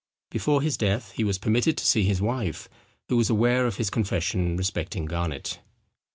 Before his death he was permitted to see his wife, who was aware of his confession respecting Garnet.